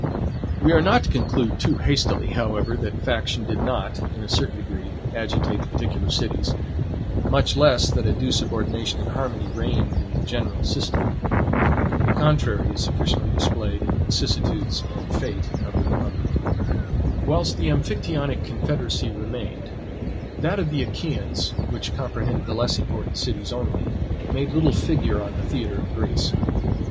We are not to conclude too hastily, however, that faction did not, in a certain degree, agitate the particular cities; much less that a due subordination and harmony reigned in the general system. The contrary is sufficiently displayed in the vicissitudes and fate of the republic. Whilst the Amphictyonic confederacy remained, that of the Achaeans, which comprehended the less important cities only, made little figure on the theatre of Greece.